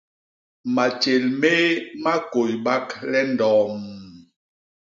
Matjél méé ma kôybak le ndoom.